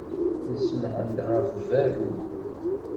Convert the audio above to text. Nsemɛen-d ɣef berru.